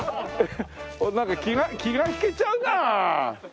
なんか気が引けちゃうなあ。